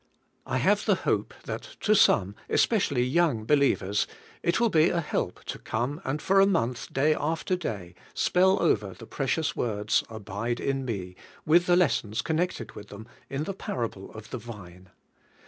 I have the hope that to some, especially young believers, it will be a help to come and for a month day after day spell over the precious words, 'Abide in me,' with the lessons connected with them in the Parable of the Vine.